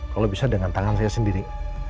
kalau bisa dengan tangan saya sendiri